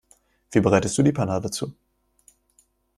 Wie bereitest du die Panade zu?